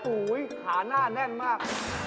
โอ้โหขาหน้าแน่นมาก